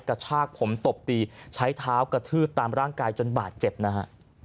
กระชากผมตบตีใช้เท้ากระทืบตามร่างกายจนบาดเจ็บนะฮะ